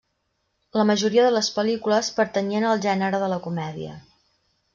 La majoria de les pel·lícules pertanyien al gènere de la comèdia.